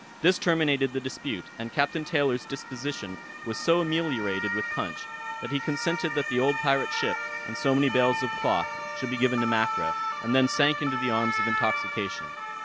This terminated the dispute, and Captain Taylor's disposition was so ameliorated with punch, that he consented that the old pirate ship, and so many bales of cloth, should be given to Mackra, and then sank into the arms of intoxication.